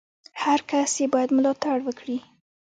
هر کس ئې بايد ملاتړ وکي!